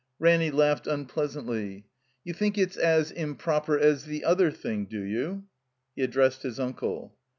Ranny laughed unpleasantly. "You think it's as improper as the other thing, do you?" He addressed his uncle.